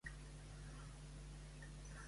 Quina actitud veu penosa?